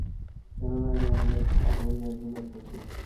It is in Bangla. কেননা, এটি আমার অপরিহার্য কর্তব্য।